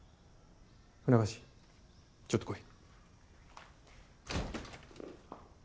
船橋ちょっと来い。